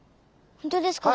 本当ですか？